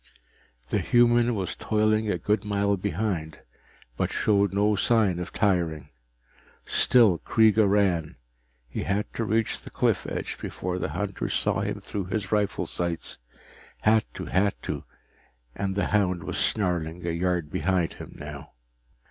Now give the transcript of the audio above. The human was toiling a good mile behind, but showed no sign of tiring. Still Kreega ran. He had to reach the cliff edge before the hunter saw him through his rifle sights had to, had to, and the hound was snarling a yard behind now.